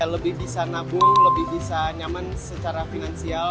lebih bisa nabung lebih bisa nyaman secara finansial